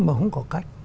mà không có cách